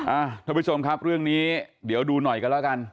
ท่านผู้ชมครับเรื่องนี้เดี๋ยวดูหน่อยกันแล้วกัน